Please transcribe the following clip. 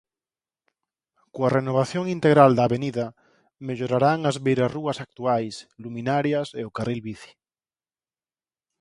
Coa renovación integral da avenida, mellorarán as beirarrúas actuais, luminarias e o carril bici.